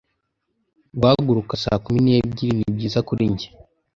Guhaguruka saa kumi n'ebyiri ni byiza kuri njye.